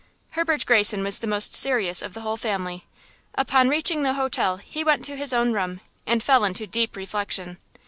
Herbert Greyson was the most serious of the whole family. Upon reaching the hotel he went to his own room and fell into deep reflection.